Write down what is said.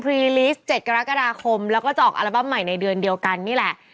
รีลิสต์๗กรกฎาคมแล้วก็จะออกอัลบั้มใหม่ในเดือนเดียวกันนี่แหละ